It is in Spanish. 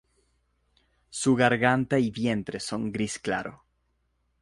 Su garganta y vientre son gris claro.